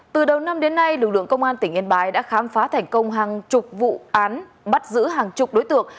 từ đầu năm đến nay lực lượng công an tỉnh yên bái đã khám phá thành công hàng chục vụ án bắt giữ hàng chục đối tượng